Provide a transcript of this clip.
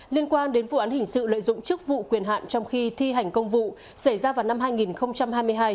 liên quan đến vụ án hình sự lợi dụng chức vụ quyền hạn trong khi thi hành công vụ xảy ra vào năm hai nghìn hai mươi hai